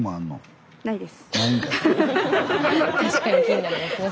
スタジオ確かに気になりますね。